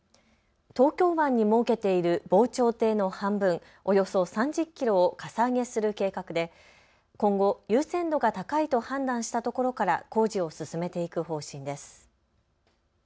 東京湾に設けている防潮堤の半分、およそ３０キロをかさ上げする計画で今後、優先度が高いと判断したところから工事を進めていく方針です。